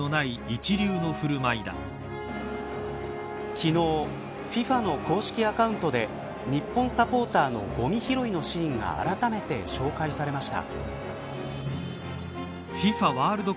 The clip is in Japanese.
昨日ＦＩＦＡの公式アカウントで日本サポーターのごみ拾いのシーンがあらためて紹介されました。